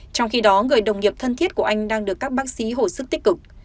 trong khi đó người đồng nghiệp thân thiết của anh đang được các bác sĩ hồi sức tích cực